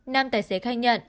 nam tài xế khai nhận